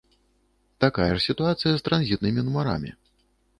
Такая ж сітуацыя з транзітнымі нумарамі.